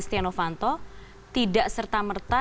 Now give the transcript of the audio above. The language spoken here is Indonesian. setia novanto tidak serta merta